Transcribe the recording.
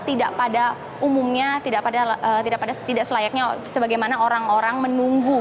tidak pada umumnya tidak selayaknya sebagaimana orang orang menunggu